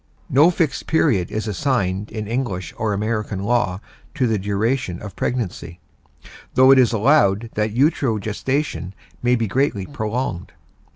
No fixed period is assigned in English or American law to the duration of pregnancy, though it is allowed that utero gestation may be greatly prolonged.